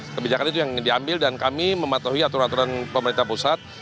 kebijakan itu yang diambil dan kami mematuhi aturan aturan pemerintah pusat